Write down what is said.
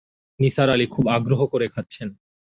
নিসার আলি খুব আগ্রহ করে খাচ্ছেন।